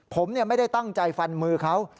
ผมไม่ได้ตั้งใจฟันมือเขา